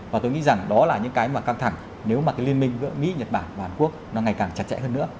và tôi nghĩ rằng đó là những cái mà căng thẳng nếu mà cái liên minh giữa mỹ nhật bản và hàn quốc nó ngày càng chặt chẽ hơn nữa